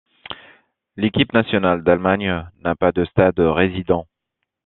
L'équipe nationale d'Allemagne n'a pas de stade résident.